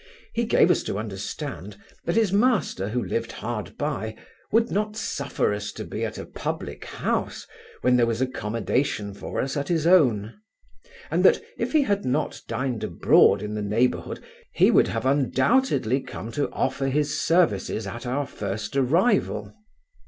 He gave us to understand that his master who lived hard by, would not suffer us to be at a public house, when there was accommodation for us at his own; and that, if he had not dined abroad in the neighbourhood he would have undoubtedly come to offer his services at our first arrival.